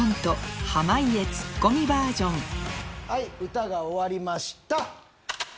歌が終わりました。